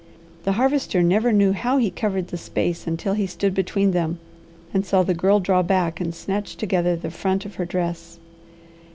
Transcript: The Harvester never knew how he covered the space until he stood between them, and saw the Girl draw back and snatch together the front of her dress.